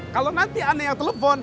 kalau nanti aneh yang telepon